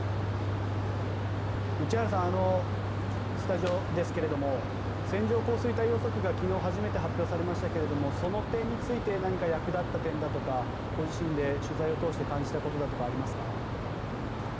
内原さん、スタジオですが線状降水帯予測が昨日初めて発表されましたがその点について何か役立った点だとかご自身で取材を通して感じたことだとかありますか？